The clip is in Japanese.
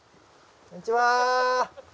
こんにちは！